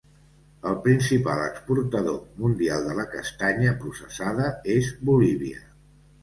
El principal exportador mundial de la castanya processada és Bolívia.